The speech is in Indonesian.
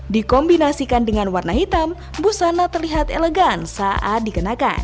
dikombinasikan dengan warna hitam busana terlihat elegan saat dikenakan